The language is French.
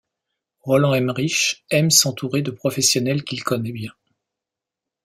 Roland Emmerich aime s'entourer de professionnels qu'il connaît bien.